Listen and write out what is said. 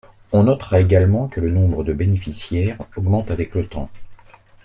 On notera également que le nombre de bénéficiaires augmente avec le temps.